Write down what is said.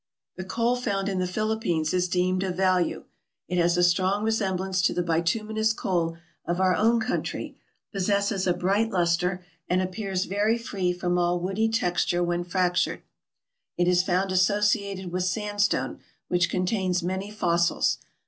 The coal found in the Philippines is deemed of value; it has a strong resemblance to the bituminous coal of our own country, possesses a bright luster, and appears very free from all woody texture when fractured. It is found associ ated with sandstone, which contains many fossils.